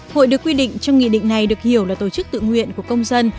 hội được quy định trong nghị định này được hiểu là tổ chức tự nguyện của công dân